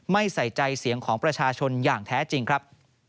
ใส่ใจเสียงของประชาชนอย่างแท้จริงครับ